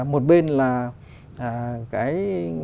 một bên là cái